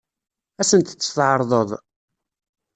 Ad sent-tt-tɛeṛḍeḍ?